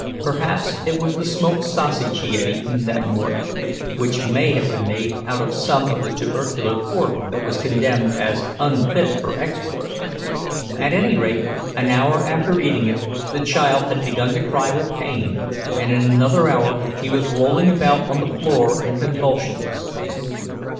Perhaps it was the smoked sausage he had eaten that morning—which may have been made out of some of the tubercular pork that was condemned as unfit for export. At any rate, an hour after eating it, the child had begun to cry with pain, and in another hour he was rolling about on the floor in convulsions.